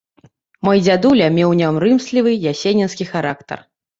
Мой дзядуля меў няўрымслівы ясенінскі характар.